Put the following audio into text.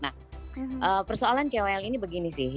nah persoalan kol ini begini sih